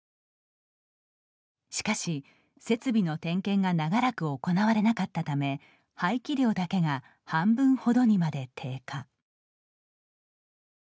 しかし、設備の点検が長らく行われなかったため排気量だけが半分ほどにまで低下。